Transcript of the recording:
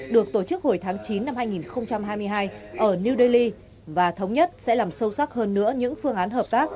được tổ chức hồi tháng chín năm hai nghìn hai mươi hai ở new delhi và thống nhất sẽ làm sâu sắc hơn nữa những phương án hợp tác